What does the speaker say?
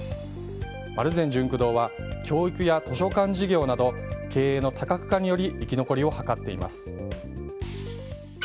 丸善ジュンク堂は教育や図書館事業など経営の多角化により生き残りを図っています。